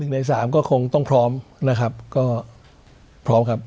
ใน๓ก็คงต้องพร้อมนะครับก็พร้อมครับ